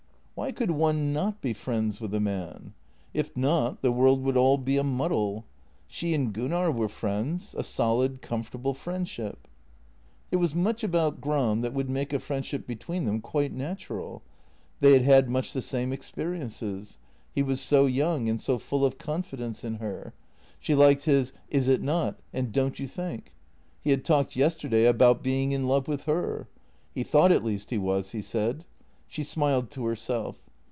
Why could one not be friends with a man? If not, the world would be all a muddle. She and Gunnar were friends — a solid, comfortable friendship. There was much about Gram that would make a friendship between them quite natural. They had had much the same experiences. He was so young and so full of confidence in her; she liked his " Is it not? " and " Don't you think? " He had talked yesterday about being in love with her — he thought at least he was, he said. She smiled to herself.